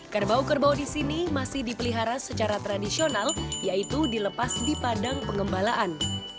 kerbau kerbau di sini masih dipelihara secara tradisional yaitu dilepas di padang pengembalaan